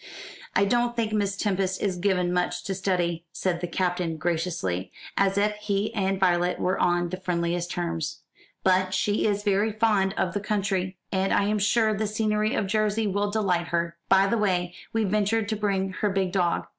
"I don't think Miss Tempest is given much to study," said the Captain graciously, as if he and Violet were on the friendliest terms; "but she is very fond of the country, and I am sure the scenery of Jersey will delight her. By the way, we ventured to bring her big dog.